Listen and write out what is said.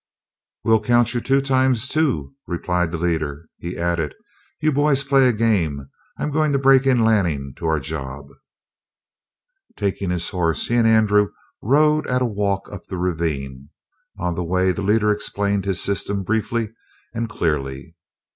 "We'll count you two times two," replied the leader. He added: "You boys play a game; I'm going to break in Lanning to our job." Taking his horse, he and Andrew rode at a walk up the ravine. On the way the leader explained his system briefly and clearly.